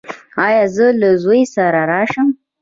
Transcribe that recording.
ایا زه له زوی سره راشم؟